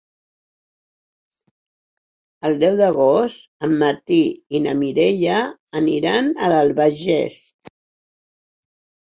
El deu d'agost en Martí i na Mireia aniran a l'Albagés.